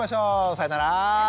さようなら。